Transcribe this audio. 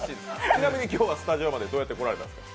ちなみに今日はスタジオまでどうやって来られたんですか？